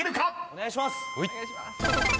お願いします。